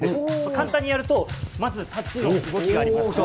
簡単にやると、まず立つ動きがあります。